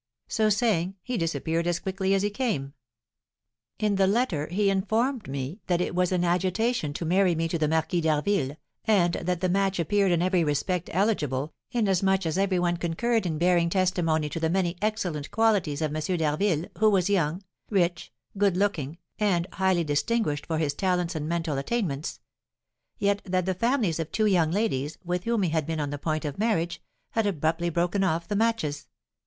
So saying, he disappeared as quickly as he came. In the letter he informed me that it was in agitation to marry me to the Marquis d'Harville, and that the match appeared in every respect eligible, inasmuch as every one concurred in bearing testimony to the many excellent qualities of M. d'Harville, who was young, rich, good looking, and highly distinguished for his talents and mental attainments; yet that the families of two young ladies, with whom he had been on the point of marriage, had abruptly broken off the matches.